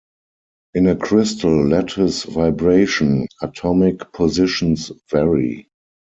In a crystal lattice vibration, atomic positions vary.